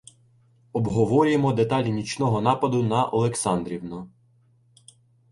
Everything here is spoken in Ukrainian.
Обговорюємо деталі нічного нападу на Олександрівну.